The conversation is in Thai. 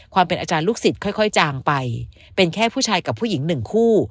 ความเป็นอาจารย์ลูกศิษย์ค่อยจางไปเป็นแค่ผู้ชายกับผู้หญิงหนึ่งคู่